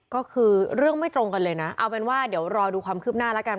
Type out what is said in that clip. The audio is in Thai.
ก็คือเรื่องไม่ตรงกันเลยนะเอาเป็นว่าเดี๋ยวรอดูความคืบหน้าแล้วกัน